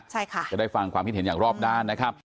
ใช่ค่ะจะได้ฟังความคิดเห็นอย่างรอบด้านนะครับ